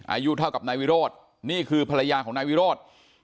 อายุเท่ากับนายวิโรธนี่คือภรรยาของนายวิโรธ